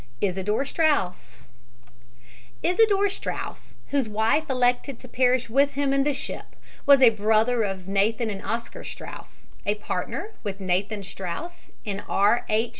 ISIDOR STRAUS Isidor Straus, whose wife elected to perish with him in the ship, was a brother of Nathan and Oscar Straus, a partner with Nathan Straus in R. H.